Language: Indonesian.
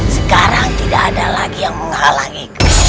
sekarang tidak ada lagi yang menghalangiku